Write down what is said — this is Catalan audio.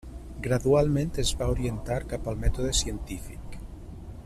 Gradualment, es va orientar cap al mètode científic.